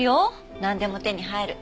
なんでも手に入る。